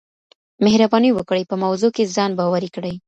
مهرباني وکړئ په موضوع کي ځان باوري کړئ.